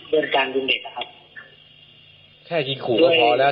เรื่องการยิงเด็กแล้วครับแค่ยิงผูนก็พอแล้ว